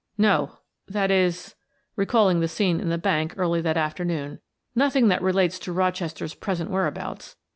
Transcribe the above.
"No; that is" recalling the scene in the bank early that afternoon "nothing that relates to Rochester's present whereabouts.